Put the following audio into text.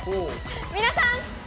皆さん。